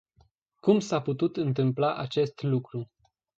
Cum s-a putut întâmpla acest lucru?